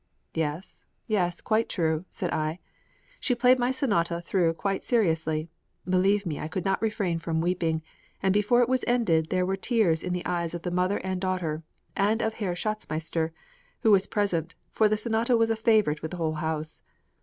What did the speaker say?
"Yes, yes; quite true," said I. She played my sonata through quite seriously; believe me, I could not refrain from weeping; and before it was ended there were tears in the eyes of the mother and daughter, and of Herr Schatzmeister, who was present, for the sonata was a favourite with the whole house.